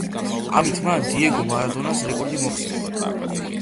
ამით მან დიეგო მარადონას რეკორდი მოხსნა.